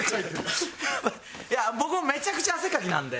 いや僕めちゃくちゃ汗っかきなんで。